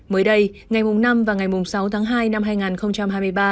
mới đây ngày năm và ngày sáu tháng hai năm hai nghìn hai mươi ba